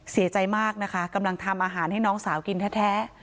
เสียใจมากนะคะกำลังทำอาหารให้น้องสาวกินแท้